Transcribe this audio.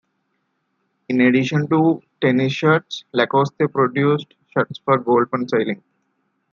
In addition to tennis shirts, Lacoste produced shirts for golf and sailing.